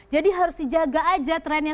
jadi harus dijaga aja trennya